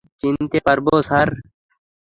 চিনতে পারবো, স্যার।